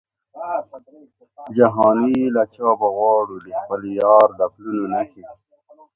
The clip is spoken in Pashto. جهاني له چا به غواړو د خپل یار د پلونو نښي